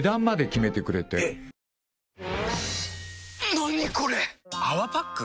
何これ⁉「泡パック」？